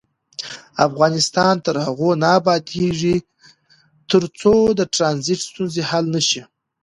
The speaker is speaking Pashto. افغانستان تر هغو نه ابادیږي، ترڅو د ټرانزیت ستونزې حل نشي.